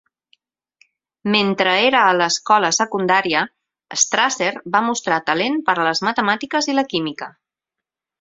Mentre era a l'escola secundària, Strasser va mostrar talent per a les matemàtiques i la química.